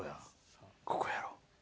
ここやろ。